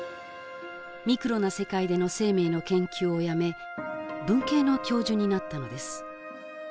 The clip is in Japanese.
ミクロな世界での生命の研究をやめ文系の教授になったのです。